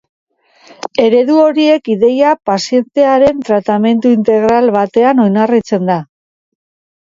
Eredu horiek ideia pazientearen tratamendu integral batean oinarritzen da.